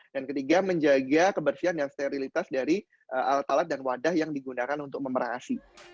dan ketiga menjaga kebersihan dan sterilitas dari alat alat dan wadah yang digunakan untuk memerah